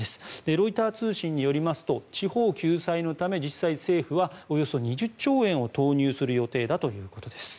ロイター通信によりますと地方救済のため実際、政府はおよそ２０兆円を投入する予定だということです。